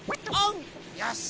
よし！